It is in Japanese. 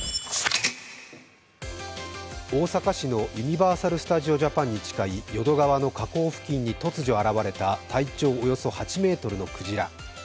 大阪市のユニバーサル・スタジオ・ジャパンに近い淀川の河口付近に突如現れた体長およそ８ｍのクジラ。